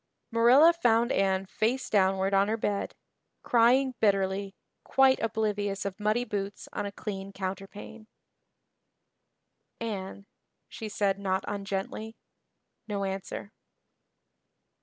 Marilla found Anne face downward on her bed, crying bitterly, quite oblivious of muddy boots on a clean counterpane. "Anne," she said not ungently. No answer.